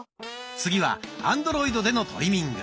次はアンドロイドでのトリミング。